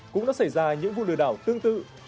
cũng đã xảy ra những vụ lừa đảo tương tự